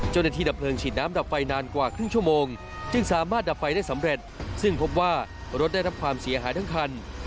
ดับเลิงฉีดน้ำดับไฟนานกว่าครึ่งชั่วโมงจึงสามารถดับไฟได้สำเร็จซึ่งพบว่ารถได้รับความเสียหายทั้งคัน